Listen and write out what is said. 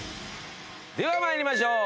では参りましょう。